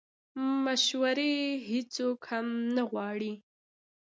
مشورې هیڅوک هم نه غواړي